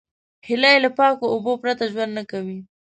هیلۍ له پاکو اوبو پرته ژوند نه کوي